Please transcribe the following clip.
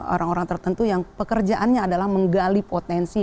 orang orang tertentu yang pekerjaannya adalah menggali potensi